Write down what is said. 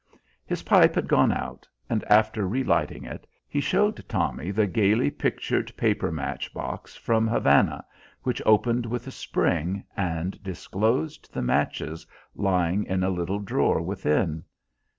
His pipe had gone out, and after relighting it, he showed Tommy the gayly pictured paper match box from Havana, which opened with a spring, and disclosed the matches lying in a little drawer within.